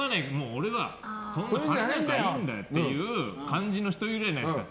俺は、そんな金なんかいいんだよっていう感じの人、いるじゃないですか。